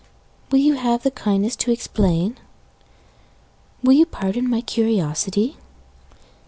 Will you have the kindness to explain? Will you pardon my curiosity?